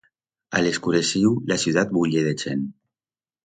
A l'escureciu, la ciudat bulle de chent.